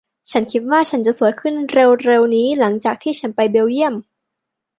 ฉันคิดว่าฉันจะสวยขึ้นเร็ว ๆ นี้หลังจากที่ฉันไปเบลเยี่ยม